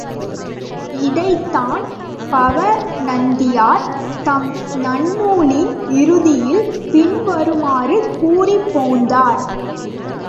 இதைத்தான் பவணந்தியார் தம் நன்னூலின் இறுதியில் பின்வருமாறு கூறிப்போந்தார்.